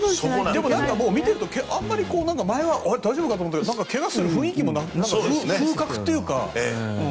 でも見てると前は大丈夫かな？と思ったけど怪我する雰囲気も風格というか。